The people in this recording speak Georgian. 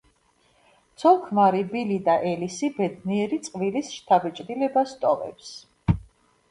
ცოლ-ქმარი ბილი და ელისი ბედნიერი წყვილის შთაბეჭდილებას ტოვებს.